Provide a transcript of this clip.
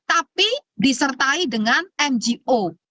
tapi disertai dengan ngo